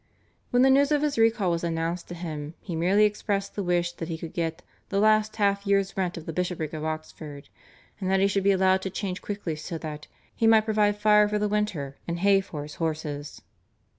When the news of his recall was announced to him he merely expressed the wish that he could get "the last half year's rent of the Bishopric of Oxford," and that he should be allowed to change quickly so that "he might provide fire for the winter and hay for his horses."